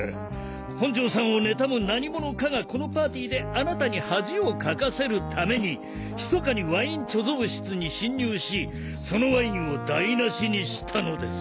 本城さんを妬む何者かがこのパーティーであなたに恥をかかせるためにひそかにワイン貯蔵室に侵入しそのワインを台無しにしたのです。